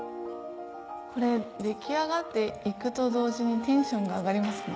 これ出来上がって行くと同時にテンションが上がりますね。